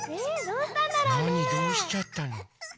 どうしちゃったの？